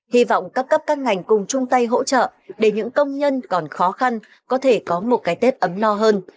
hy vọng các cấp các ngành cùng chung tay hỗ trợ để những công nhân còn khó khăn có thể có một cái tết ấm no hơn